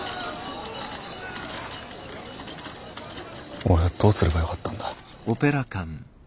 俺はどうすればよかったんだ。